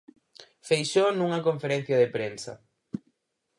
Feixóo nunha conferencia de prensa.